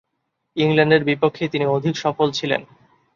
ইংল্যান্ডের বিপক্ষেই তিনি অধিক সফল ছিলেন।